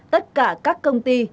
tất cả các công ty